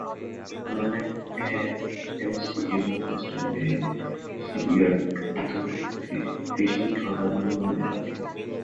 বর্তমানে এফএমসি এবং Western Marine Shipyard অত্যাধুনিক ফিশিং ট্রলার নির্মাণে সাফল্য দেখাচ্ছে।